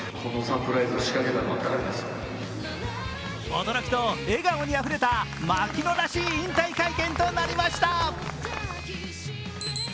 驚きと笑顔にあふれた槙野らしい引退会見となりました。